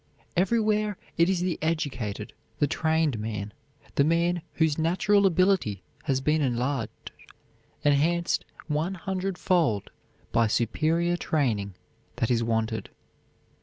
Everywhere it is the educated, the trained man, the man whose natural ability has been enlarged, enhanced one hundredfold by superior training, that is wanted.